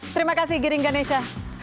terima kasih giring ganesha